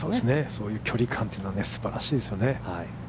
そういう距離感というのは、すばらしいですよね。